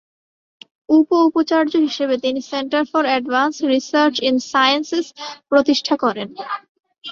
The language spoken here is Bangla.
উপ-উপাচার্য হিসেবে তিনি centre for advanced research in sciences প্রতিষ্ঠা করেন।